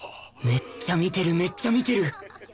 めっちゃ見てるめっちゃ見てる！